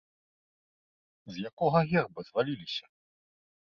З якога герба зваліліся?